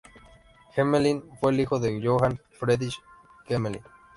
Gmelin fue el hijo de Johann Friedrich Gmelin.